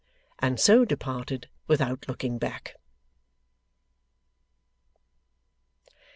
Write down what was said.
And so departed, without looking back.